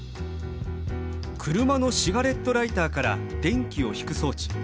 車のシガレットライターから電気を引く装置。